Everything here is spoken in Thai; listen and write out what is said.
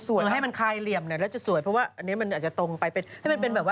สวยครับให้มันคายเหลี่ยมเนี่ยแล้วจะสวยเพราะว่าอันนี้มันอาจจะตรงไปเป็น